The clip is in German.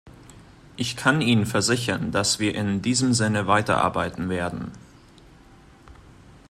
Ich kann Ihnen versichern, dass wir in diesem Sinne weiterarbeiten werden.